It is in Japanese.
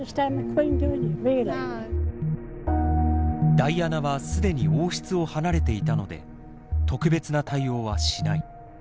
ダイアナは既に王室を離れていたので特別な対応はしない。